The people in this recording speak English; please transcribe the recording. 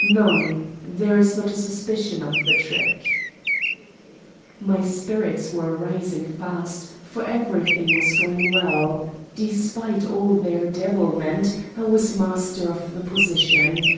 "None, there is not a suspicion of the trick." My spirits were rising fast, for everything was going well. Despite all their devilment I was master of the position.